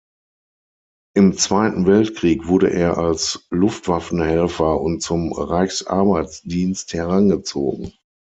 Im Zweiten Weltkrieg wurde er als Luftwaffenhelfer und zum Reichsarbeitsdienst herangezogen.